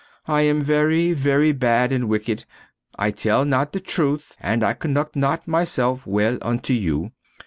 I am very, very bad and wicked; I tell not the truth and I conduct not myself well unto you.